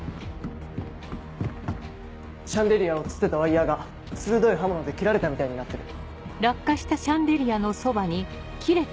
シャンデリアをつってたワイヤが鋭い刃物で切られたみたいになってる。